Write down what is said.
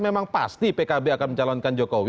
memang pasti pkb akan mencalonkan jokowi